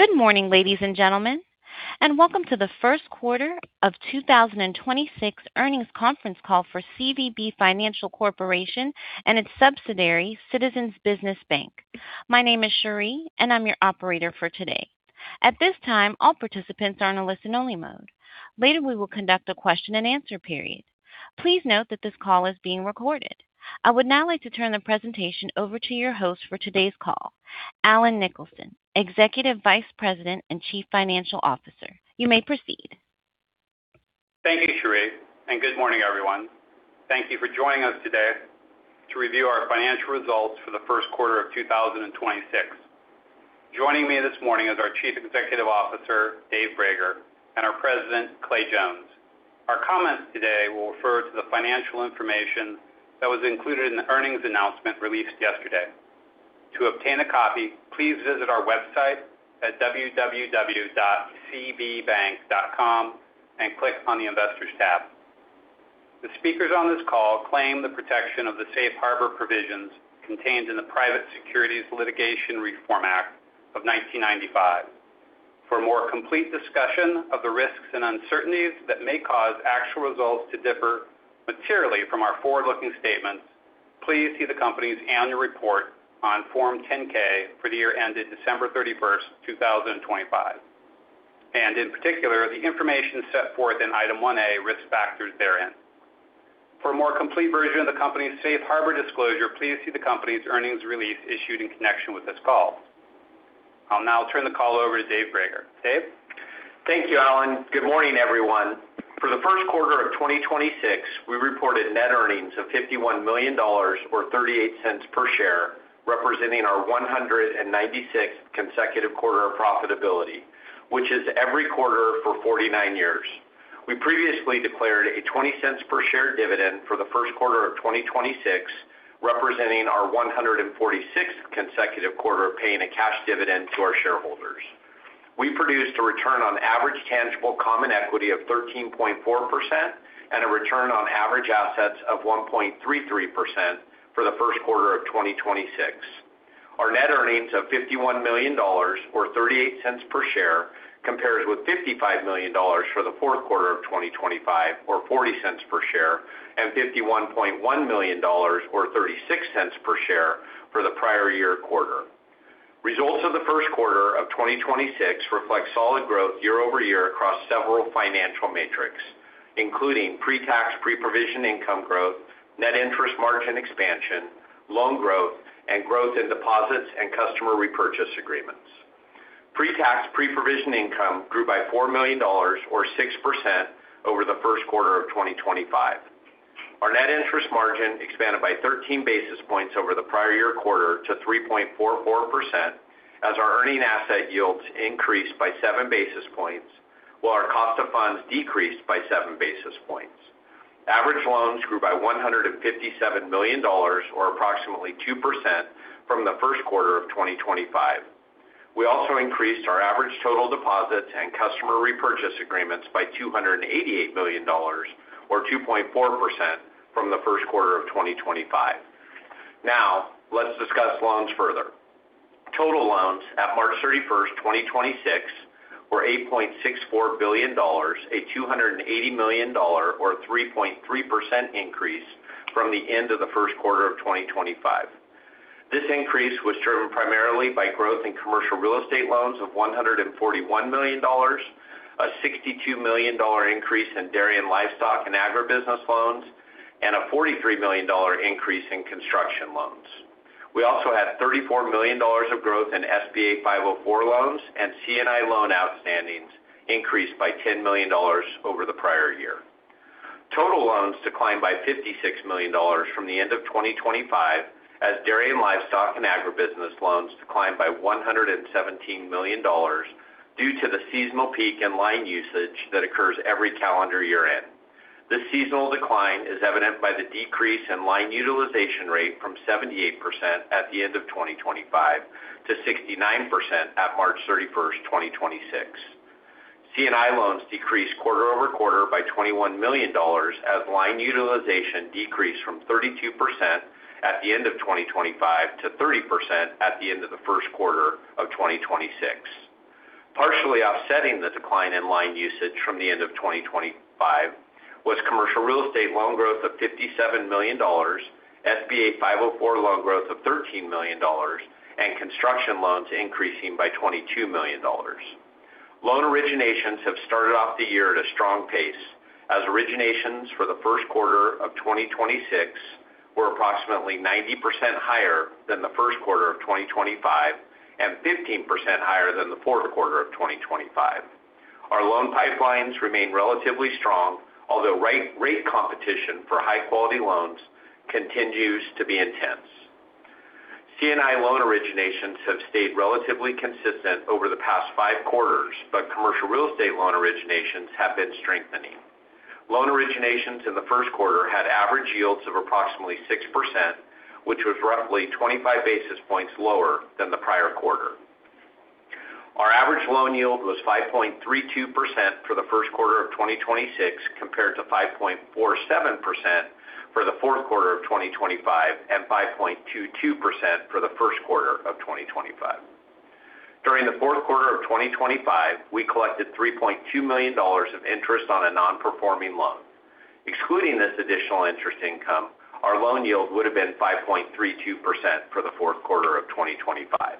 Good morning, ladies and gentlemen, and welcome to the first quarter of 2026 earnings conference call for CVB Financial Corp. and its subsidiary, Citizens Business Bank. My name is Sheree and I'm your operator for today. At this time, all participants are in a listen-only mode. Later, we will conduct a question and answer period. Please note that this call is being recorded. I would now like to turn the presentation over to your host for today's call, Allen Nicholson, Executive Vice President and Chief Financial Officer. You may proceed. Thank you, Sheree, and good morning, everyone. Thank you for joining us today to review our financial results for the first quarter of 2026. Joining me this morning is our Chief Executive Officer, David Brager, and our President, Clay Jones. Our comments today will refer to the financial information that was included in the earnings announcement released yesterday. To obtain a copy, please visit our website at www.cbbank.com and click on the Investors tab. The speakers on this call claim the protection of the safe harbor provisions contained in the Private Securities Litigation Reform Act of 1995. For a more complete discussion of the risks and uncertainties that may cause actual results to differ materially from our forward-looking statements, please see the company's annual report on Form 10-K for the year ended December 31st, 2025, and in particular, the information set forth in Item 1A, Risk Factors therein. For a more complete version of the company's safe harbor disclosure, please see the company's earnings release issued in connection with this call. I'll now turn the call over to David Brager. Dave? Thank you, Allen. Good morning, everyone. For the first quarter of 2026, we reported net earnings of $51 million or $0.38 per share, representing our 196th consecutive quarter of profitability, which is every quarter for 49 years. We previously declared a $0.20 per share dividend for the first quarter of 2026, representing our 146th consecutive quarter of paying a cash dividend to our shareholders. We produced a return on average tangible common equity of 13.4% and a return on average assets of 1.33% for the first quarter of 2026. Our net earnings of $51 million or $0.38 per share compares with $55 million for the fourth quarter of 2025 or $0.40 per share and $51.1 million or $0.36 per share for the prior year quarter. Results of the first quarter of 2026 reflect solid growth year-over-year across several financial metrics, including pre-tax, pre-provision income growth, net interest margin expansion, loan growth, and growth in deposits and customer repurchase agreements. Pre-tax, pre-provision income grew by $4 million or 6% over the first quarter of 2025. Our net interest margin expanded by 13 basis points over the prior year quarter to 3.44% as our earning asset yields increased by 7 basis points, while our cost of funds decreased by 7 basis points. Average loans grew by $157 million or approximately 2% from the first quarter of 2025. We also increased our average total deposits and customer repurchase agreements by $288 million or 2.4% from the first quarter of 2025. Now, let's discuss loans further. Total loans at March 31st, 2026, were $8.64 billion, a $280 million or 3.3% increase from the end of the first quarter of 2025. This increase was driven primarily by growth in commercial real estate loans of $141 million, a $62 million increase in dairy and livestock and agribusiness loans, and a $43 million increase in construction loans. We also had $34 million of growth in SBA 504 loans, and C&I loan outstandings increased by $10 million over the prior year. Total loans declined by $56 million from the end of 2025 as dairy and livestock and agribusiness loans declined by $117 million due to the seasonal peak in line usage that occurs every calendar year-end. This seasonal decline is evident by the decrease in line utilization rate from 78% at the end of 2025 to 69% at March 31st, 2026. C&I loans decreased quarter-over-quarter by $21 million as line utilization decreased from 32% at the end of 2025 to 30% at the end of the first quarter of 2026. Partially offsetting the decline in line usage from the end of 2025 was commercial real estate loan growth of $57 million, SBA 504 loan growth of $13 million, and construction loans increasing by $22 million. Loan originations have started off the year at a strong pace as originations for the first quarter of 2026 were approximately 90% higher than the first quarter of 2025 and 15% higher than the fourth quarter of 2025. Our loan pipelines remain relatively strong, although rate competition for high-quality loans continues to be intense. C&I loan originations have stayed relatively consistent over the past five quarters, but commercial real estate loan originations have been strengthening. Loan originations in the first quarter had average yields of approximately 6%, which was roughly 25 basis points lower than the prior quarter. Our average loan yield was 5.32% for the first quarter of 2026 compared to 5.47% for the fourth quarter of 2025 and 5.22% for the first quarter of 2025. During the fourth quarter of 2025, we collected $3.2 million of interest on a non-performing loan. Excluding this additional interest income, our loan yield would have been 5.32% for the fourth quarter of 2025.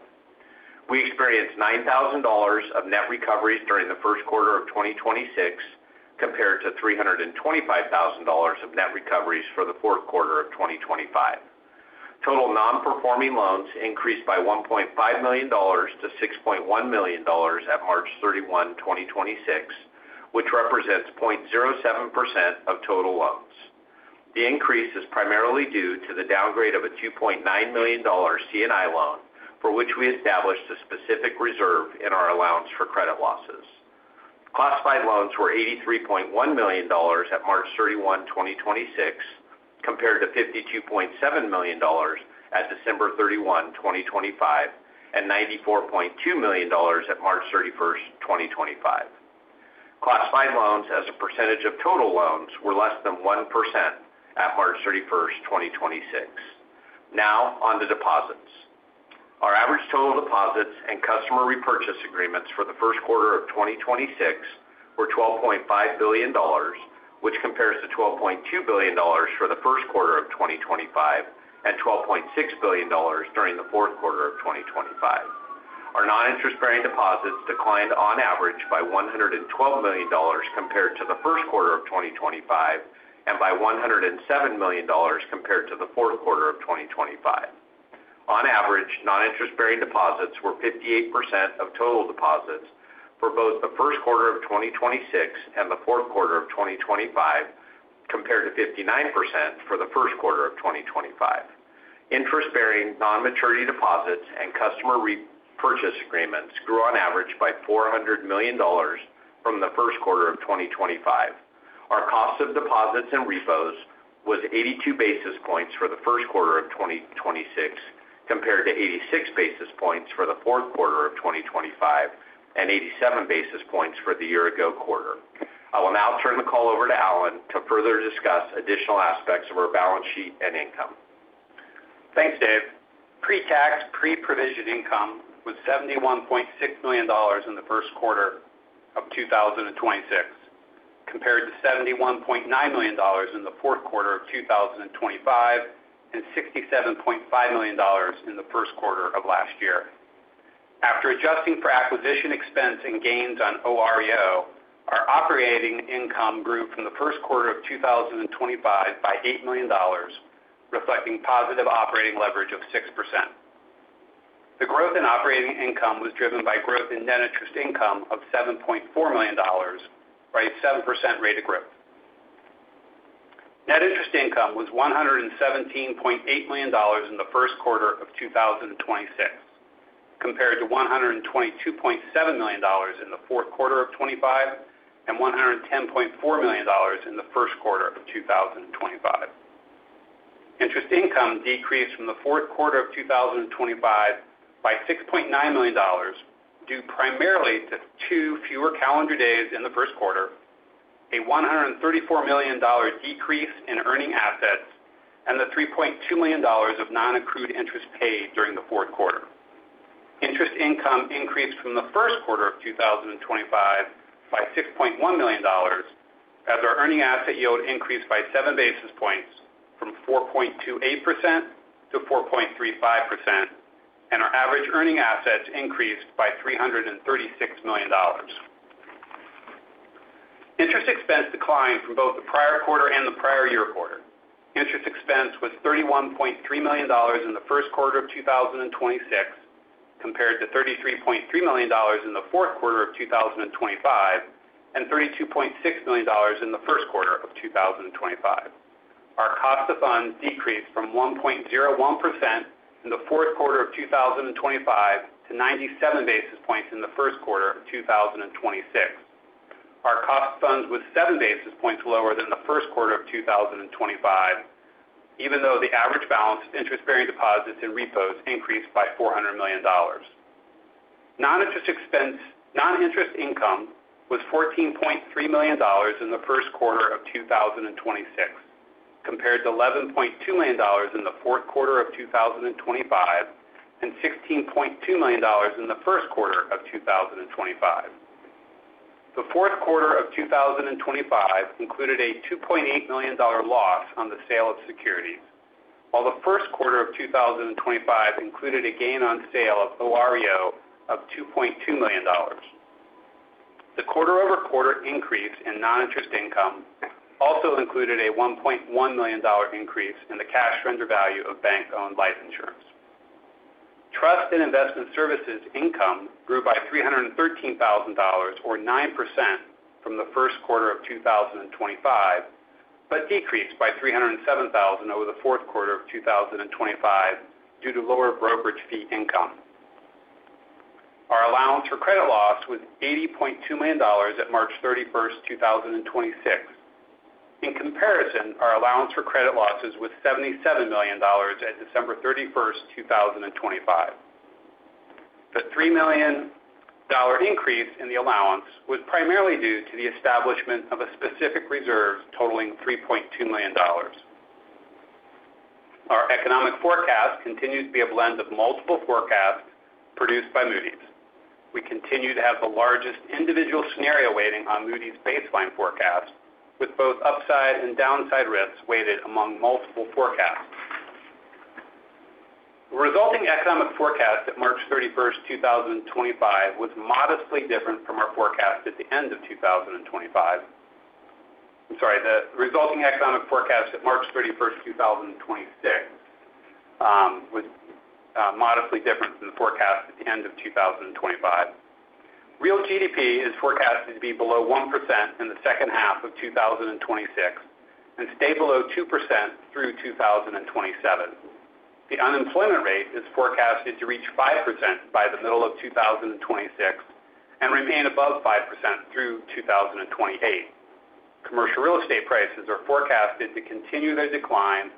We experienced $9,000 of net recoveries during the first quarter of 2026, compared to $325,000 of net recoveries for the fourth quarter of 2025. Total non-performing loans increased by $1.5 million-$6.1 million at March 31st, 2026, which represents 0.07% of total loans. The increase is primarily due to the downgrade of a $2.9 million C&I loan, for which we established a specific reserve in our Allowance for Credit Losses. Classified loans were $83.1 million at March 31st, 2026, compared to $52.7 million at December 31st, 2025, and $94.2 million at March 31st, 2025. Classified loans as a percentage of total loans were less than one% at March 31st, 2026. Now, on to deposits. Our average total deposits and customer repurchase agreements for the first quarter of 2026 were $12.5 billion, which compares to $12.2 billion for the first quarter of 2025, and $12.6 billion during the fourth quarter of 2025. Our non-interest-bearing deposits declined on average by $112 million compared to the first quarter of 2025, and by $107 million compared to the fourth quarter of 2025. On average, non-interest-bearing deposits were 58% of total deposits for both the first quarter of 2026 and the fourth quarter of 2025, compared to 59% for the first quarter of 2025. Interest-bearing non-maturity deposits and customer repurchase agreements grew on average by $400 million from the first quarter of 2025. Our cost of deposits and repos was 82 basis points for the first quarter of 2026, compared to 86 basis points for the fourth quarter of 2025, and 87 basis points for the year ago quarter. I will now turn the call over to Allen to further discuss additional aspects of our balance sheet and income. Thanks, Dave. Pre-tax, pre-provision income was $71.6 million in the first quarter of 2026, compared to $71.9 million in the fourth quarter of 2025 and $67.5 million in the first quarter of last year. After adjusting for acquisition expense and gains on OREO, our operating income grew from the first quarter of 2025 by $8 million, reflecting positive operating leverage of 6%. The growth in operating income was driven by growth in net interest income of $7.4 million by 7% rate of growth. Net interest income was $117.8 million in the first quarter of 2026, compared to $122.7 million in the fourth quarter of 2025, and $110.4 million in the first quarter of 2025. Interest income decreased from the fourth quarter of 2025 by $6.9 million, due primarily to two fewer calendar days in the first quarter, a $134 million decrease in earning assets, and the $3.2 million of non-accrued interest paid during the fourth quarter. Interest income increased from the first quarter of 2025 by $6.1 million, as our earning asset yield increased by 7 basis points from 4.28% to 4.35%, and our average earning assets increased by $336 million. Interest expense declined from both the prior quarter and the prior year quarter. Interest expense was $31.3 million in the first quarter of 2026, compared to $33.3 million in the fourth quarter of 2025, and $32.6 million in the first quarter of 2025. Our cost of funds decreased from 1.01% in the fourth quarter of 2025 to 97 basis points in the first quarter of 2026. Our cost of funds was seven basis points lower than the first quarter of 2025, even though the average balance of interest-bearing deposits and repos increased by $400 million. Non-interest income was $14.3 million in the first quarter of 2026, compared to $11.2 million in the fourth quarter of 2025, and $16.2 million in the first quarter of 2025. The fourth quarter of 2025 included a $2.8 million loss on the sale of securities. While the first quarter of 2025 included a gain on sale of OREO of $2.2 million. The quarter-over-quarter increase in non-interest income also included a $1.1 million increase in the cash surrender value of bank-owned life insurance. Trust and investment services income grew by $313,000, or 9% from the first quarter of 2025, but decreased by $307,000 over the fourth quarter of 2025 due to lower brokerage fee income. Our allowance for credit losses was $80.2 million at March 31st, 2026. In comparison, our allowance for credit losses was $77 million at December 31st, 2025. The $3 million increase in the allowance was primarily due to the establishment of a specific reserve totaling $3.2 million. Our economic forecast continues to be a blend of multiple forecasts produced by Moody's. We continue to have the largest individual scenario weighting on Moody's baseline forecast, with both upside and downside risks weighted among multiple forecasts. The resulting economic forecast at March 31st, 2026 was modestly different than the forecast at the end of 2025. Real GDP is forecasted to be below 1% in the second half of 2026 and stay below 2% through 2027. The unemployment rate is forecasted to reach 5% by the middle of 2026 and remain above 5% through 2028. Commercial real estate prices are forecasted to continue their decline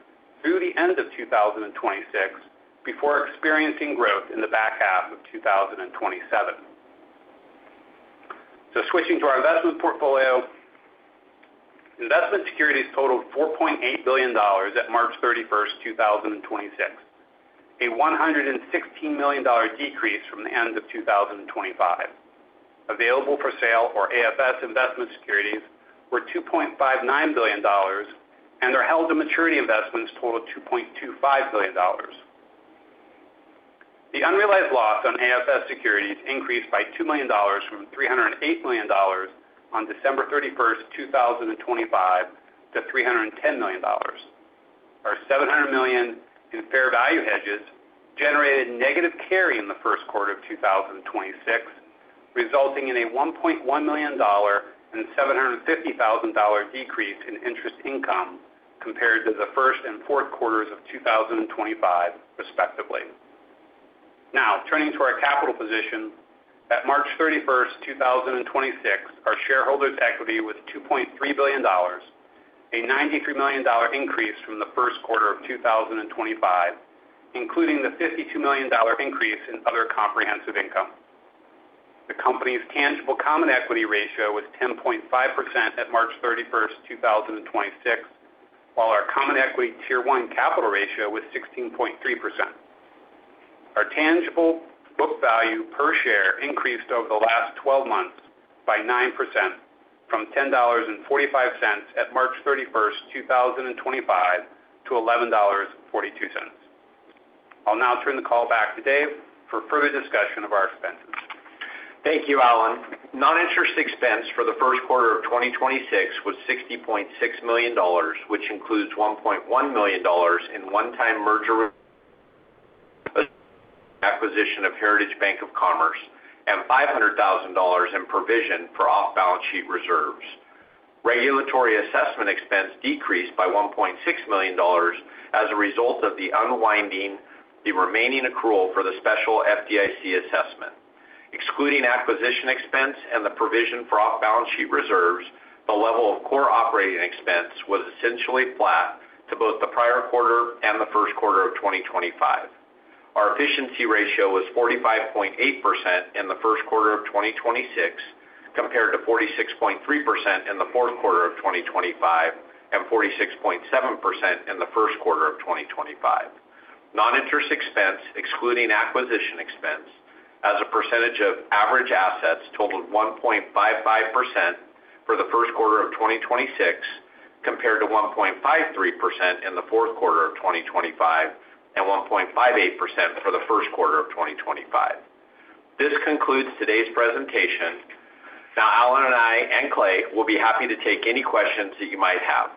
through the end of 2026 before experiencing growth in the back half of 2027. Switching to our investment portfolio. Investment securities totaled $4.8 billion at March 31st, 2026, a $116 million decrease from the end of 2025. Available for sale or AFS investment securities were $2.59 billion, and our held-to-maturity investments totaled $2.25 billion. The unrealized loss on AFS securities increased by $2 million from $308 million on December 31st, 2025 to $310 million. Our $700 million in fair value hedges generated negative carry in the first quarter of 2026, resulting in a $1.1 million and $750,000 decrease in interest income compared to the first and fourth quarters of 2025 respectively. Now turning to our capital position. At March 31st, 2026, our shareholders' equity was $2.3 billion, a $93 million increase from the first quarter of 2025, including the $52 million increase in other comprehensive income. The company's Tangible Common Equity Ratio was 10.5% at March 31st, 2026, while our Common Equity Tier 1 Capital Ratio was 16.3%. Our tangible book value per share increased over the last 12 months by 9% from $10.45 at March 31st, 2025 to $11.42. I'll now turn the call back to Dave for further discussion of our expenses. Thank you, Allen. Non-interest expense for the first quarter of 2026 was $60.6 million, which includes $1.1 million in one-time merger acquisition of Heritage Bank of Commerce and $500,000 in provision for off-balance sheet reserves. Regulatory assessment expense decreased by $1.6 million as a result of the unwinding of the remaining accrual for the special FDIC assessment. Excluding acquisition expense and the provision for off-balance sheet reserves, the level of core operating expense was essentially flat to both the prior quarter and the first quarter of 2025. Our efficiency ratio was 45.8% in the first quarter of 2026, compared to 46.3% in the fourth quarter of 2025 and 46.7% in the first quarter of 2025. Non-interest expense, excluding acquisition expense as a percentage of average assets totaled 1.55% for the first quarter of 2026, compared to 1.53% in the fourth quarter of 2025 and 1.58% for the first quarter of 2025. This concludes today's presentation. Now Allen and I and Clay will be happy to take any questions that you might have.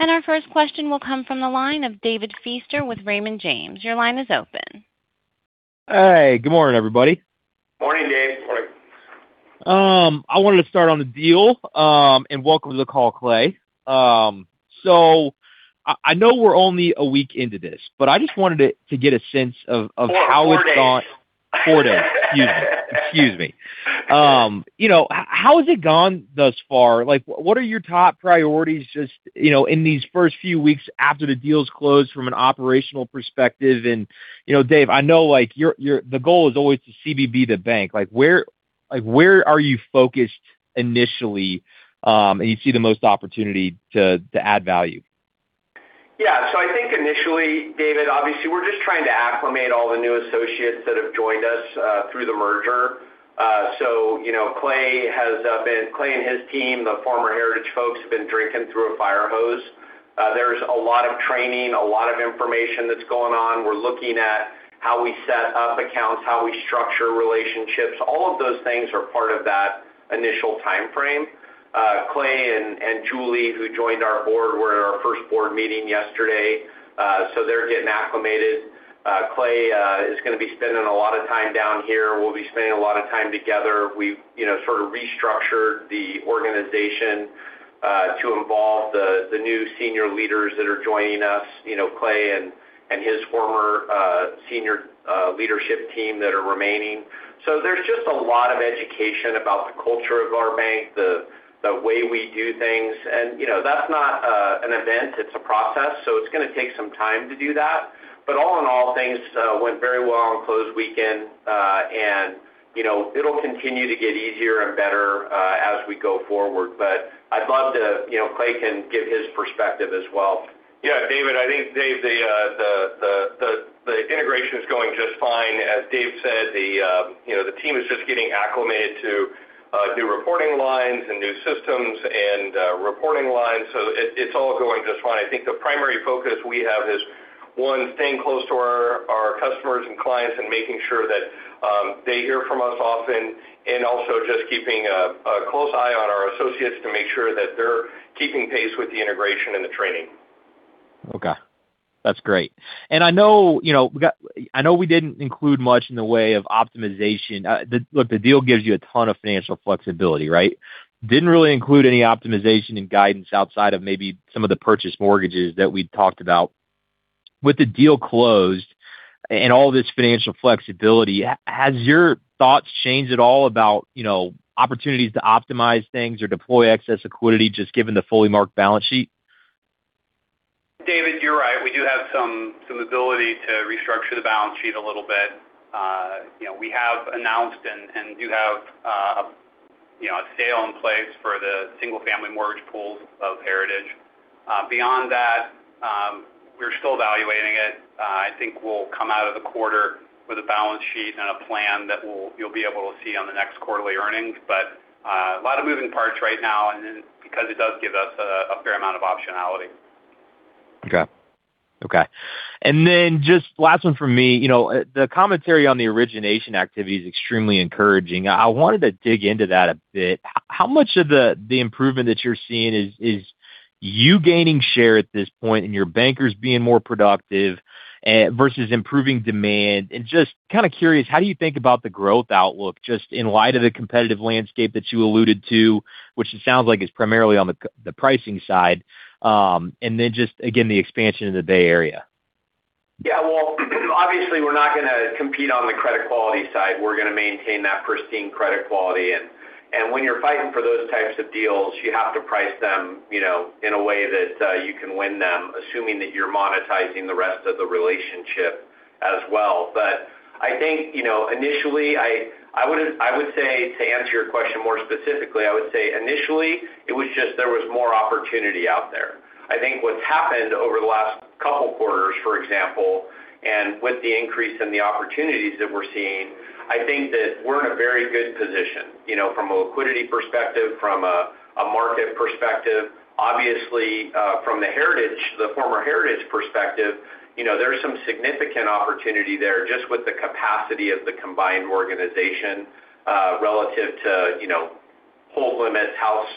Our first question will come from the line of David Feaster with Raymond James. Your line is open. Hi. Good morning everybody. Morning, Dave. Morning. I wanted to start on the deal. Welcome to the call, Clay Jones. I know we're only a week into this, but I just wanted to get a sense of how it's gone. Four days. Four days. Excuse me. How has it gone thus far? What are your top priorities just in these first few weeks after the deal's closed from an operational perspective? Dave, I know the goal is always to CVB the bank. Where are you focused initially, and you see the most opportunity to add value? Yeah. I think initially, David, obviously we're just trying to acclimate all the new associates that have joined us through the merger. Clay and his team, the former Heritage folks, have been drinking through a fire hose. There's a lot of training, a lot of information that's going on. We're looking at how we set up accounts, how we structure relationships. All of those things are part of that initial time frame. Clay and Julie, who joined our board, were at our first board meeting yesterday. They're getting acclimated. Clay is going to be spending a lot of time down here. We'll be spending a lot of time together. We've sort of restructured the organization. To involve the new senior leaders that are joining us, Clay and his former senior leadership team that are remaining. There's just a lot of education about the culture of our bank, the way we do things. That's not an event, it's a process. It's going to take some time to do that. All in all, things went very well on closed weekend. It'll continue to get easier and better as we go forward. Clay can give his perspective as well. Yeah. David, I think the integration is going just fine. As Dave said, the team is just getting acclimated to new reporting lines and new systems and reporting lines. It's all going just fine. I think the primary focus we have is, one, staying close to our customers and clients and making sure that they hear from us often, and also just keeping a close eye on our associates to make sure that they're keeping pace with the integration and the training. Okay. That's great. I know we didn't include much in the way of optimization. Look, the deal gives you a ton of financial flexibility, right? Didn't really include any optimization and guidance outside of maybe some of the purchase mortgages that we'd talked about. With the deal closed and all this financial flexibility, has your thoughts changed at all about opportunities to optimize things or deploy excess liquidity, just given the fully marked balance sheet? David, you're right. We do have some ability to restructure the balance sheet a little bit. We have announced and do have a sale in place for the single-family mortgage pools of Heritage. Beyond that, we're still evaluating it. I think we'll come out of the quarter with a balance sheet and a plan that you'll be able to see on the next quarterly earnings. A lot of moving parts right now, and then because it does give us a fair amount of optionality. Okay. Just last one from me. The commentary on the origination activity is extremely encouraging. I wanted to dig into that a bit. How much of the improvement that you're seeing is you gaining share at this point and your bankers being more productive versus improving demand? Just kind of curious, how do you think about the growth outlook just in light of the competitive landscape that you alluded to, which it sounds like is primarily on the pricing side, and then just again, the expansion in the Bay Area? Yeah. Well, obviously, we're not going to compete on the credit quality side. We're going to maintain that pristine credit quality. When you're fighting for those types of deals, you have to price them in a way that you can win them, assuming that you're monetizing the rest of the relationship as well. I think initially, I would say to answer your question more specifically, it was just that there was more opportunity out there. I think what's happened over the last couple quarters, for example, and with the increase in the opportunities that we're seeing, I think that we're in a very good position from a liquidity perspective, from a market perspective. Obviously, from the former Heritage perspective, there's some significant opportunity there just with the capacity of the combined organization relative to loan limits,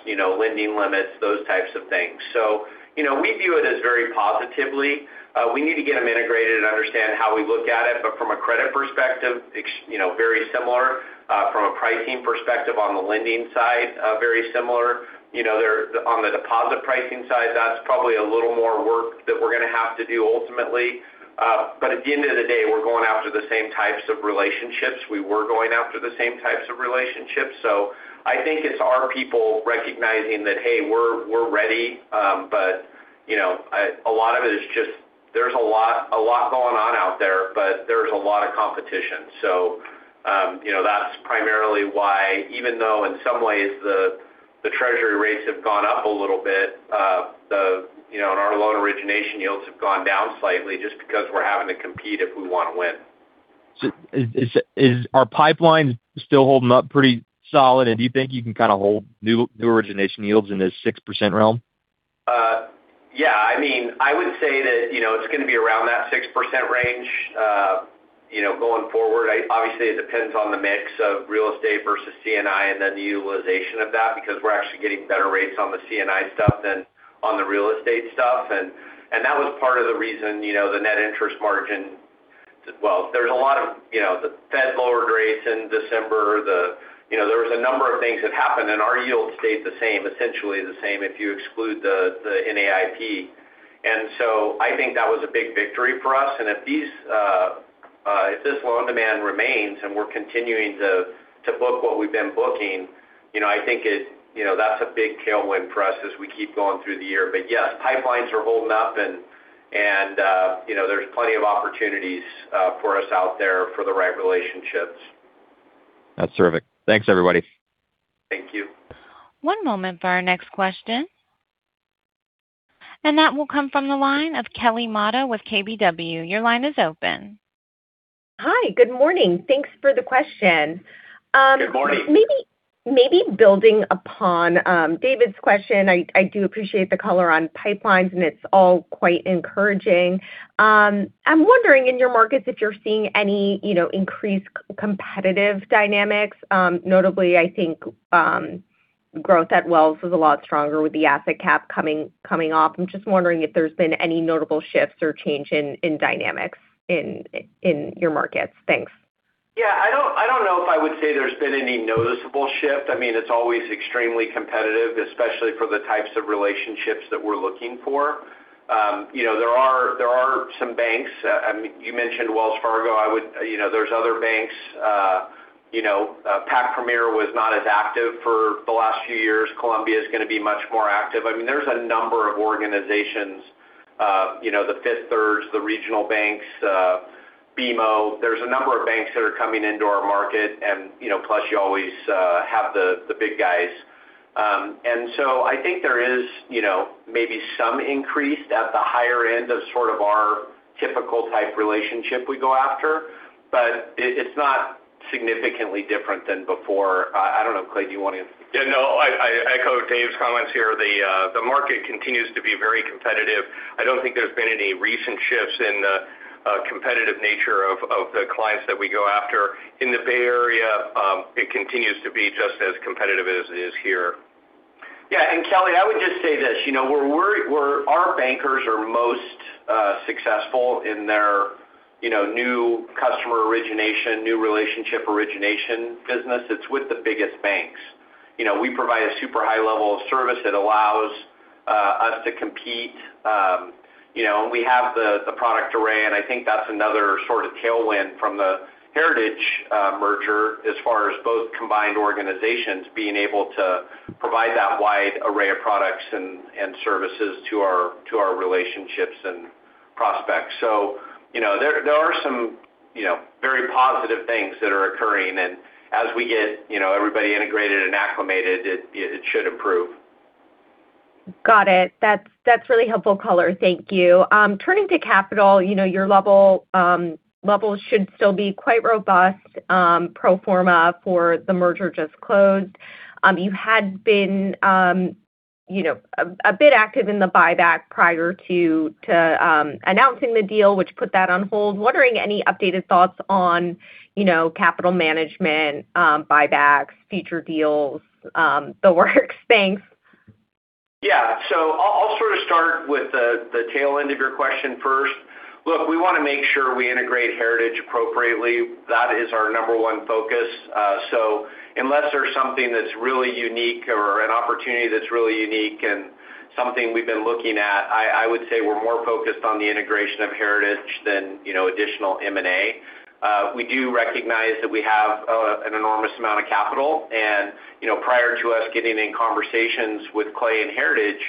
in-house lending limits, those types of things. We view it as very positive. We need to get them integrated and understand how we look at it. From a credit perspective, very similar. From a pricing perspective on the lending side, very similar. On the deposit pricing side, that's probably a little more work that we're going to have to do ultimately. At the end of the day, we're going after the same types of relationships. We were going after the same types of relationships. I think it's our people recognizing that, hey, we're ready. There's a lot going on out there, but there's a lot of competition. That's primarily why even though in some ways the Treasury rates have gone up a little bit, and our loan origination yields have gone down slightly just because we're having to compete if we want to win. Is our pipelines still holding up pretty solid? Do you think you can kind of hold new origination yields in this 6% realm? Yeah. I would say that it's going to be around that 6% range going forward. Obviously, it depends on the mix of real estate versus C&I and then the utilization of that, because we're actually getting better rates on the C&I stuff than on the real estate stuff. That was part of the reason, the net interest margin. Well, the Fed lowered rates in December. There was a number of things that happened, and our yields stayed the same, essentially the same if you exclude the NAIP. I think that was a big victory for us. If this loan demand remains and we're continuing to book what we've been booking, I think that's a big tailwind for us as we keep going through the year. Yes, pipelines are holding up and there's plenty of opportunities for us out there for the right relationships. That's terrific. Thanks, everybody. Thank you. One moment for our next question. That will come from the line of Kelly Motta with KBW. Your line is open. Hi. Good morning. Thanks for the question. Good morning. Maybe building upon David's question, I do appreciate the color on pipelines, and it's all quite encouraging. I'm wondering in your markets, if you're seeing any increased competitive dynamics. Notably, I think growth at Wells is a lot stronger with the asset cap coming off. I'm just wondering if there's been any notable shifts or change in dynamics in your markets. Thanks. Yeah, I don't know if I would say there's been any noticeable shift. It's always extremely competitive, especially for the types of relationships that we're looking for. There are some banks. You mentioned Wells Fargo. There's other banks. Pacific Premier was not as active for the last few years. Columbia is going to be much more active. There's a number of organizations, the Fifth Third, the regional banks, BMO. There's a number of banks that are coming into our market, and plus you always have the big guys. I think there is maybe some increase at the higher end of sort of our typical type relationship we go after. But it's not significantly different than before. I don't know, Clay, do you want to. Yeah, no, I echo Dave's comments here. The market continues to be very competitive. I don't think there's been any recent shifts in the competitive nature of the clients that we go after. In the Bay Area, it continues to be just as competitive as it is here. Yeah. Kelly, I would just say this. Where our bankers are most successful in their new customer origination, new relationship origination business, it's with the biggest banks. We provide a super high level of service that allows us to compete. We have the product array, and I think that's another sort of tailwind from the Heritage merger as far as both combined organizations being able to provide that wide array of products and services to our relationships and prospects. There are some very positive things that are occurring, and as we get everybody integrated and acclimated, it should improve. Got it. That's really helpful color. Thank you. Turning to capital, your levels should still be quite robust, pro forma for the merger just closed. You had been a bit active in the buyback prior to announcing the deal, which put that on hold. Wondering any updated thoughts on capital management, buybacks, future deals, the works? Thanks. Yeah. I'll sort of start with the tail end of your question first. Look, we want to make sure we integrate Heritage appropriately. That is our number one focus. Unless there's something that's really unique or an opportunity that's really unique and something we've been looking at, I would say we're more focused on the integration of Heritage than additional M&A. We do recognize that we have an enormous amount of capital, and prior to us getting in conversations with Clay and Heritage,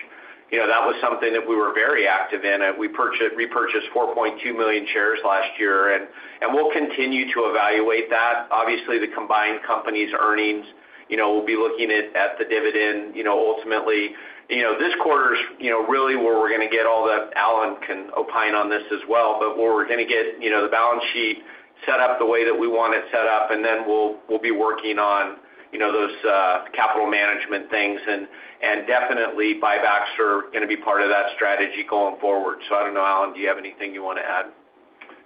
that was something that we were very active in. We repurchased 4.2 million shares last year, and we'll continue to evaluate that. Obviously, the combined company's earnings, we'll be looking at the dividend, ultimately. This quarter's really where we're going to get all the, Allen can opine on this as well, but where we're going to get the balance sheet set up the way that we want it set up, and then we'll be working on those capital management things. Definitely, buybacks are going to be part of that strategy going forward. I don't know, Allen, do you have anything you want to add?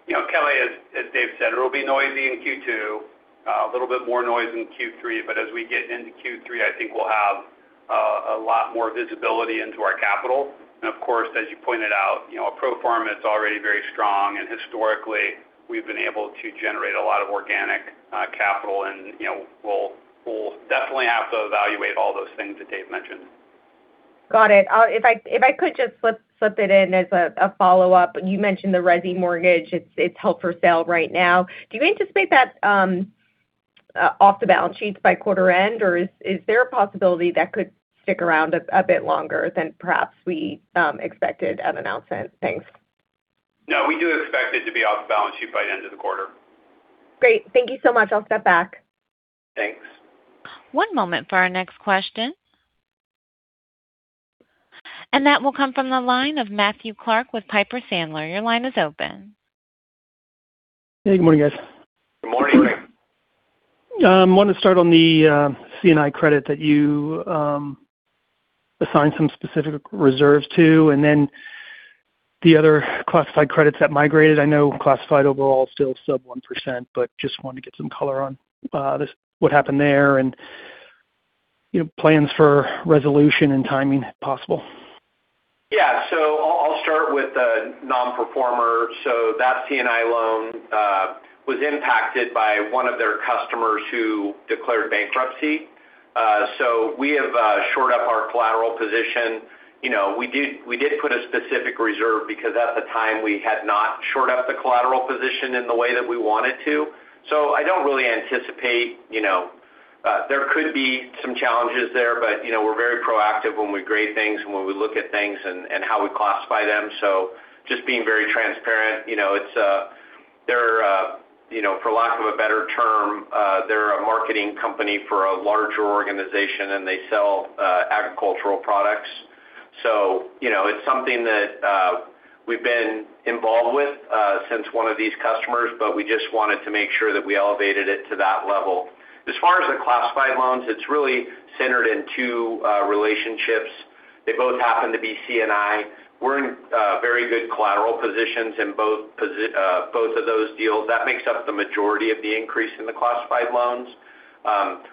Kelly, as Dave said, it'll be noisy in Q2. A little bit more noise in Q3, but as we get into Q3, I think we'll have a lot more visibility into our capital. Of course, as you pointed out, pro forma, it's already very strong, and historically, we've been able to generate a lot of organic capital, and we'll definitely have to evaluate all those things that Dave mentioned. Got it. If I could just slip it in as a follow-up. You mentioned the resi mortgage. It's held for sale right now. Do you anticipate that off the balance sheet by quarter end, or is there a possibility that could stick around a bit longer than perhaps we expected at announcement? Thanks. No, we do expect it to be off the balance sheet by the end of the quarter. Great. Thank you so much. I'll step back. Thanks. One moment for our next question. That will come from the line of Matthew Clark with Piper Sandler. Your line is open. Hey, good morning, guys. Good morning. Good morning. I wanted to start on the C&I credit that you assigned some specific reserves to, and then the other classified credits that migrated. I know classified overall is still sub 1%, but just wanted to get some color on this. What happened there and plans for resolution and timing, if possible. Yeah. I'll start with the non-performer. That C&I loan was impacted by one of their customers who declared bankruptcy. We have shored up our collateral position. We did put a specific reserve because at the time we had not shored up the collateral position in the way that we wanted to. I don't really anticipate, there could be some challenges there, but we're very proactive when we grade things and when we look at things and how we classify them. Just being very transparent. For lack of a better term, they're a marketing company for a larger organization, and they sell agricultural products. It's something that we've been involved with since one of these customers, but we just wanted to make sure that we elevated it to that level. As far as the classified loans, it's really centered in two relationships. They both happen to be C&I. We're in very good collateral positions in both of those deals. That makes up the majority of the increase in the classified loans.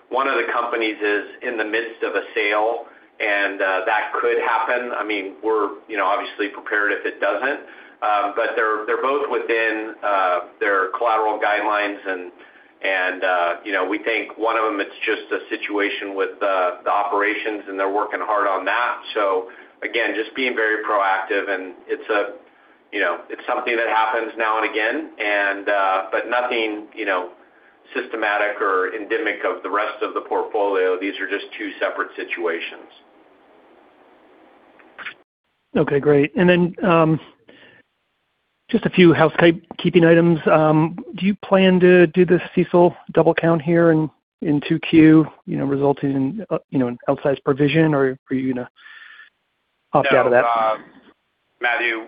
One of the companies is in the midst of a sale, and that could happen. We're obviously prepared if it doesn't. They're both within their collateral guidelines, and we think one of them, it's just a situation with the operations, and they're working hard on that. Again, just being very proactive, and it's something that happens now and again, but nothing systematic or endemic of the rest of the portfolio. These are just two separate situations. Okay, great. Just a few housekeeping items. Do you plan to do the CECL double count here in 2Q resulting in an outsized provision, or are you going to opt out of that? No. Matthew,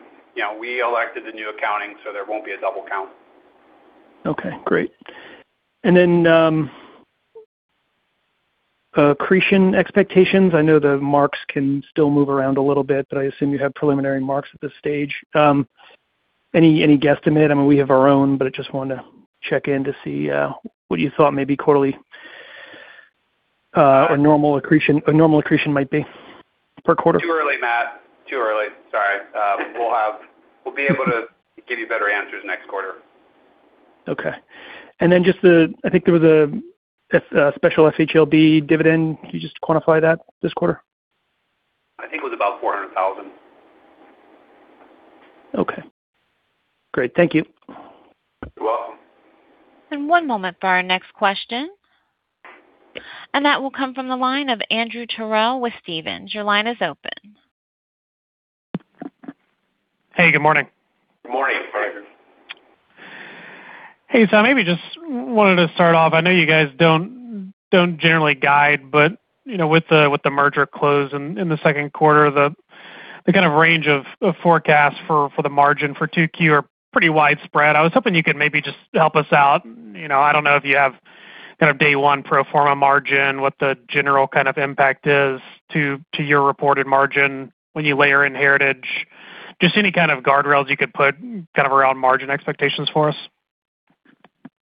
we elected the new accounting, so there won't be a double count. Okay, great. Accretion expectations. I know the marks can still move around a little bit, but I assume you'd have preliminary marks at this stage. Any guesstimate? I mean, we have our own, but I just wanted to check in to see what you thought maybe quarterly or normal accretion might be per quarter. Too early, Matt. Too early. Sorry. We'll be able to give you better answers next quarter. Okay. I think there was a special FHLB dividend. Can you just quantify that this quarter? I think it was about $400,000. Okay, great. Thank you. You're welcome. One moment for our next question. That will come from the line of Andrew Terrell with Stephens. Your line is open. Hey, good morning. Good morning, Andrew. Hey, maybe just wanted to start off. I know you guys don't generally guide, but with the merger closing in the second quarter, the kind of range of forecasts for the margin for 2Q are pretty widespread. I was hoping you could maybe just help us out. I don't know if you have kind of day one pro forma margin, what the general kind of impact is to your reported margin when you layer in Heritage. Just any kind of guardrails you could put kind of around margin expectations for us?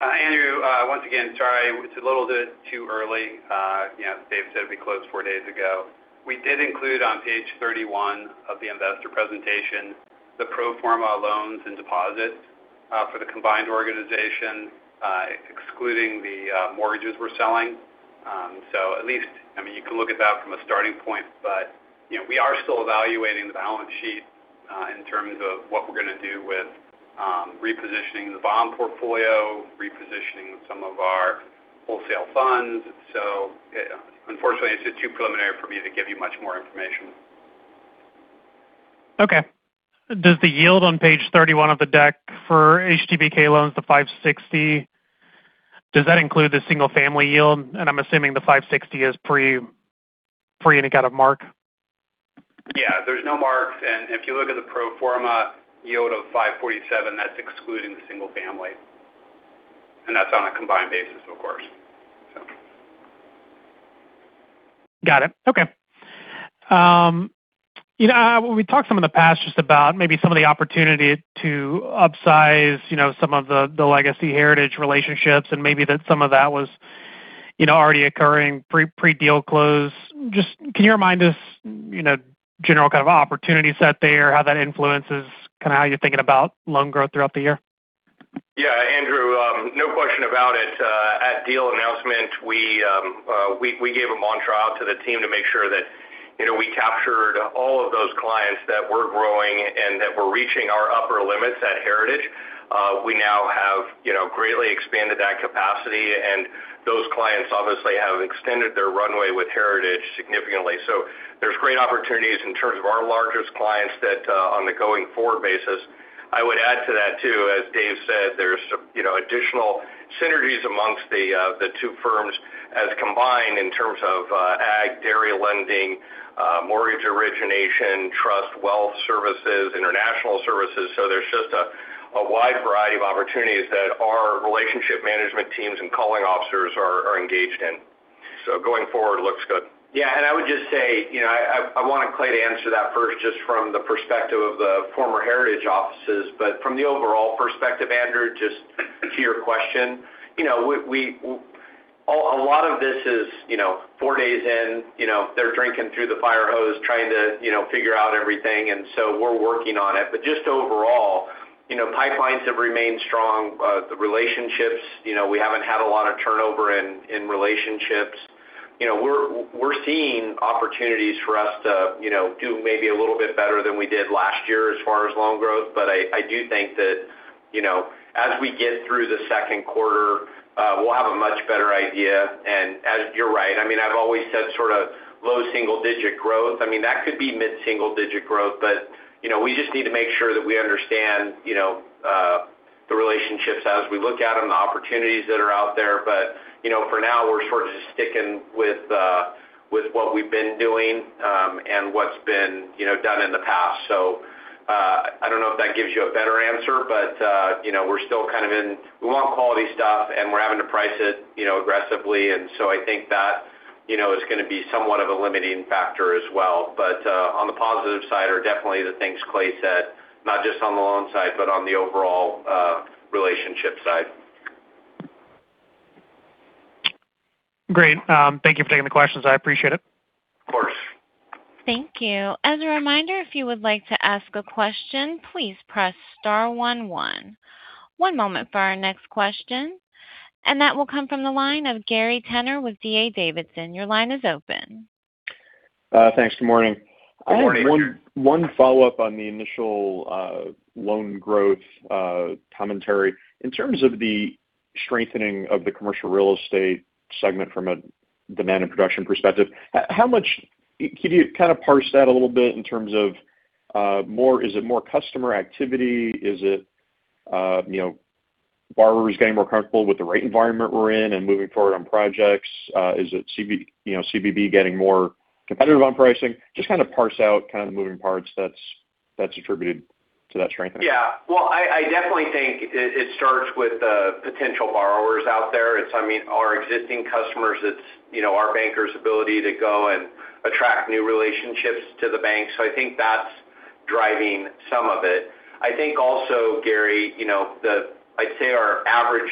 Andrew, once again, sorry, it's a little bit too early. As Dave said, we closed four days ago. We did include on page 31 of the investor presentation, the pro forma loans and deposits for the combined organization, excluding the mortgages we're selling. At least, you can look at that from a starting point, but we are still evaluating the balance sheet in terms of what we're going to do with repositioning the bond portfolio, repositioning some of our wholesale funds. Unfortunately, it's too preliminary for me to give you much more information. Okay. Does the yield on page 31 of the deck for HTBK loans, the 5.60, include the single-family yield? I'm assuming the 5.60 is pre any kind of mark. Yeah, there's no marks, and if you look at the pro forma yield of 547, that's excluding the single family. That's on a combined basis, of course. Got it. Okay. We talked some in the past just about maybe some of the opportunity to upsize some of the legacy Heritage relationships and maybe that some of that was already occurring pre-deal close. Just can you remind us general kind of opportunity set there, how that influences kind of how you're thinking about loan growth throughout the year? Yeah, Andrew, no question about it. At deal announcement, we gave a mantra out to the team to make sure that we captured all of those clients that were growing and that were reaching our upper limits at Heritage. We now have greatly expanded that capacity, and those clients obviously have extended their runway with Heritage significantly. There's great opportunities in terms of our largest clients that on the going forward basis. I would add to that, too, as Dave said, there's some additional synergies amongst the two firms as combined in terms of ag, dairy lending, mortgage origination, trust, wealth services, international services. There's just a wide variety of opportunities that our relationship management teams and calling officers are engaged in. Going forward, it looks good. Yeah, I would just say, I wanted Clay to answer that first just from the perspective of the former Heritage offices. From the overall perspective, Andrew, just to your question, a lot of this is four days in, they're drinking from the fire hose trying to figure out everything, and so we're working on it. Just overall, pipelines have remained strong. The relationships, we haven't had a lot of turnover in relationships. We're seeing opportunities for us to do maybe a little bit better than we did last year as far as loan growth. I do think that as we get through the second quarter, we'll have a much better idea. You're right. I've always said sort of low single digit growth. That could be mid-single digit growth, but we just need to make sure that we understand the relationships as we look at them, the opportunities that are out there. For now, we're sort of just sticking with what we've been doing and what's been done in the past. I don't know if that gives you a better answer, but we want quality stuff and we're having to price it aggressively, and so I think that's going to be somewhat of a limiting factor as well. On the positive side are definitely the things Clay said, not just on the loan side, but on the overall relationship side. Great. Thank you for taking the questions. I appreciate it. Of course. Thank you. As a reminder, if you would like to ask a question, please press star one one. One moment for our next question, that will come from the line of Gary Tenner with D.A. Davidson. Your line is open. Thanks. Good morning. Good morning. I have one follow-up on the initial loan growth commentary. In terms of the strengthening of the commercial real estate segment from a demand and production perspective, can you kind of parse that a little bit in terms of is it more customer activity? Is it borrowers getting more comfortable with the rate environment we're in and moving forward on projects? Is it CBB getting more competitive on pricing? Just kind of parse out kind of the moving parts that's attributed to that strengthening. Yeah. Well, I definitely think it starts with the potential borrowers out there. It's our existing customers, it's our bankers' ability to go and attract new relationships to the bank. I think that's driving some of it. I think also, Gary, I'd say our average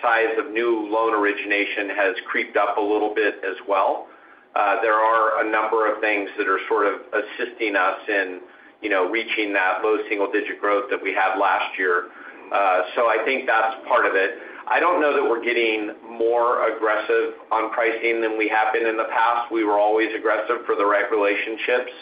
size of new loan origination has creeped up a little bit as well. There are a number of things that are sort of assisting us in reaching that low single-digit growth that we had last year. I think that's part of it. I don't know that we're getting more aggressive on pricing than we have been in the past. We were always aggressive for the right relationships.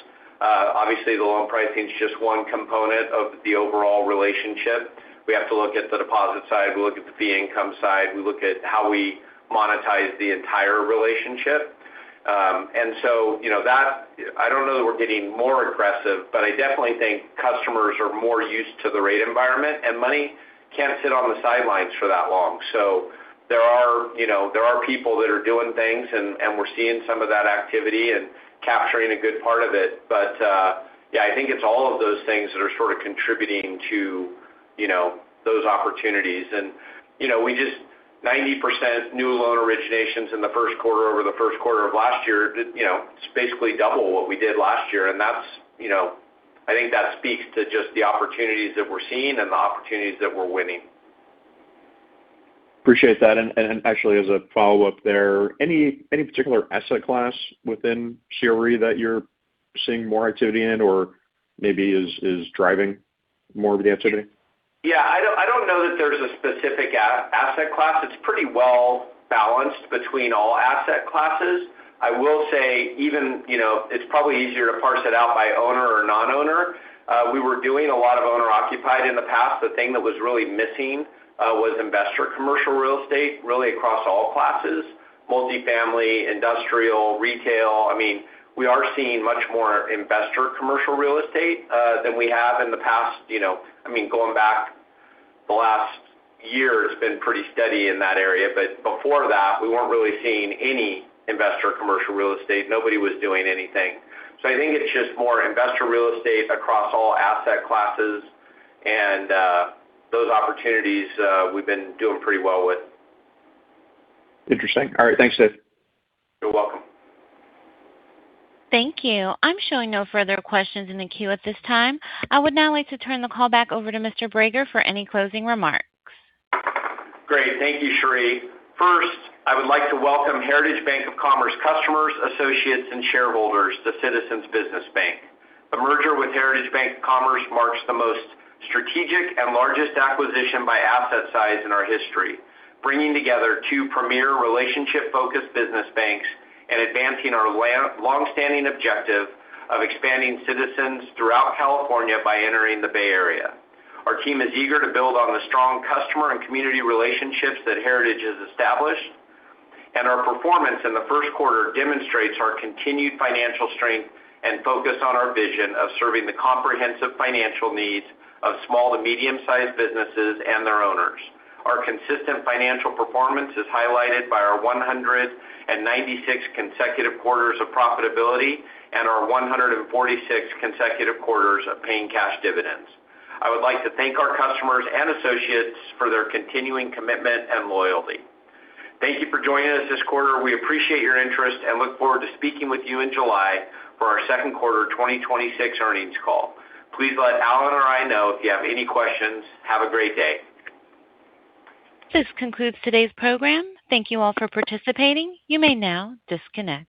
Obviously, the loan pricing is just one component of the overall relationship. We have to look at the deposit side, we look at the fee income side, we look at how we monetize the entire relationship. I don't know that we're getting more aggressive, but I definitely think customers are more used to the rate environment, and money can't sit on the sidelines for that long. There are people that are doing things, and we're seeing some of that activity and capturing a good part of it. Yeah, I think it's all of those things that are sort of contributing to those opportunities. 90% new loan originations in the first quarter over the first quarter of last year, it's basically double what we did last year. I think that speaks to just the opportunities that we're seeing and the opportunities that we're winning. Appreciate that. Actually as a follow-up there, any particular asset class within CRE that you're seeing more activity in or maybe is driving more of the activity? Yeah, I don't know that there's a specific asset class. It's pretty well balanced between all asset classes. I will say it's probably easier to parse it out by owner or non-owner. We were doing a lot of owner-occupied in the past. The thing that was really missing was investor commercial real estate, really across all classes. Multifamily, industrial, retail. We are seeing much more investor commercial real estate than we have in the past. Over the last year has been pretty steady in that area, but before that, we weren't really seeing any investor commercial real estate. Nobody was doing anything. I think it's just more investor real estate across all asset classes and those opportunities we've been doing pretty well with. Interesting. All right. Thanks, Dave. You're welcome. Thank you. I'm showing no further questions in the queue at this time. I would now like to turn the call back over to Mr. Brager for any closing remarks. Great. Thank you, Sheree. First, I would like to welcome Heritage Bank of Commerce customers, associates, and shareholders to Citizens Business Bank. The merger with Heritage Bank of Commerce marks the most strategic and largest acquisition by asset size in our history, bringing together two premier relationship-focused business banks and advancing our long-standing objective of expanding Citizens throughout California by entering the Bay Area. Our team is eager to build on the strong customer and community relationships that Heritage has established, and our performance in the first quarter demonstrates our continued financial strength and focus on our vision of serving the comprehensive financial needs of small to medium-sized businesses and their owners. Our consistent financial performance is highlighted by our 196 consecutive quarters of profitability and our 146 consecutive quarters of paying cash dividends. I would like to thank our customers and associates for their continuing commitment and loyalty. Thank you for joining us this quarter. We appreciate your interest and look forward to speaking with you in July for our second quarter 2026 earnings call. Please let Allen or I know if you have any questions. Have a great day. This concludes today's program. Thank you all for participating. You may now disconnect.